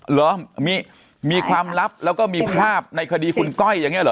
เหรอมีความลับแล้วก็มีภาพในคดีคุณก้อยอย่างนี้เหรอ